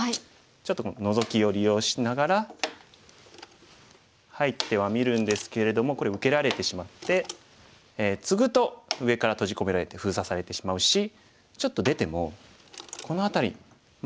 ちょっとこのノゾキを利用しながら入ってはみるんですけれどもこれ受けられてしまってツグと上から閉じ込められて封鎖されてしまうしちょっと出てもこの辺りまだしっかりツナがってないですよね。